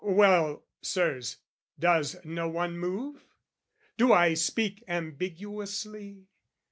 well, Sirs, does no one move? Do I speak ambiguously?